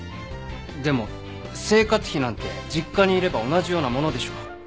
でも生活費なんて実家にいれば同じようなものでしょう。